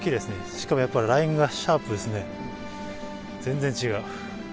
しかもやっぱりラインがシャープですね。